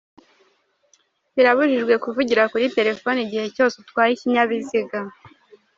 Birabujijwe kuvugira kuri telefone igihe cyose utwaye ikinyabiziga.